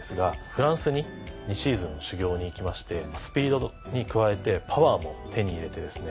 フランスに２シーズンの修業に行きましてスピードに加えてパワーも手に入れてですね